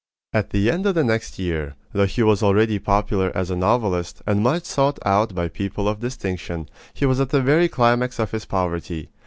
At the end of the next year, though he was already popular as a novelist, and much sought out by people of distinction, he was at the very climax of his poverty.